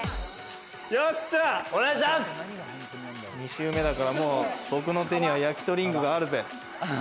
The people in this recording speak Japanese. ２周目だから、もう僕の手にはやきとりングがあるぜ。